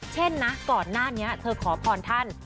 เช่นนะก่อนหน้านี้เธอขอพรท่าน